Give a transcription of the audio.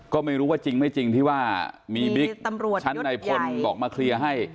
ก็ไม่รู้ว่าจริงไม่จริงที่ว่ามีบิ๊กตำรวจชั้นในพลบอกมาเคลียร์ให้